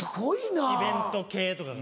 イベント系とかが。